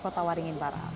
kota waringin barat